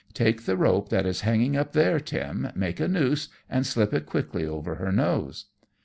Take the rope that is hanging up there, Tim, make a noose, and slip it quickly over her nose."